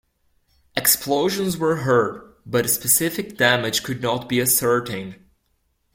Explosions were heard, but specific damage could not be ascertained.